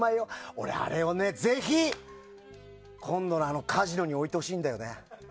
俺、あれをぜひ今度のカジノに置いてほしいんだよね。